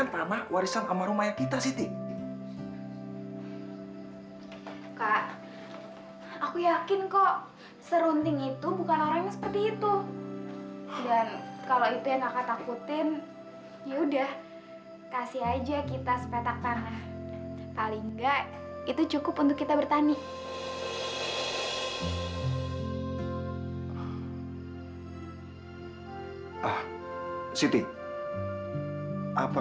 sampai jumpa di video selanjutnya